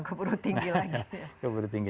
keburu tinggi lagi